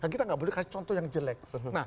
kita nggak boleh kasih contoh yang jelek